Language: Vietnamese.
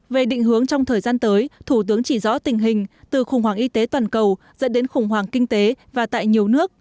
về định hướng trong thời gian tới thủ tướng chỉ rõ tình hình từ khủng hoảng y tế toàn cầu dẫn đến khủng hoảng kinh tế và tại nhiều nước